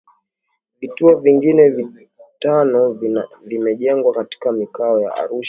Vituo vingine vitano vimejengwa katika mikoa ya Arusha Mwanza Morogoro na Dar es Salaam